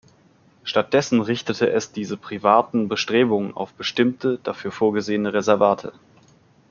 Stattdessen richtete es diese privaten Bestrebungen auf bestimmte, dafür vorgesehene Reservate.